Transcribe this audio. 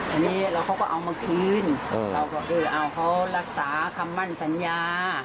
อันนี้แล้วเขาก็เอามาคืนเราก็เออเอาเขารักษาคำมั่นสัญญา